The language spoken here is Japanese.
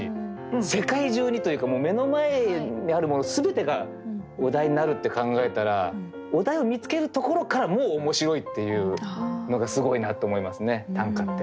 世界中にというか目の前にあるもの全てがお題になるって考えたらお題を見つけるところからもう面白いっていうのがすごいなって思いますね短歌って。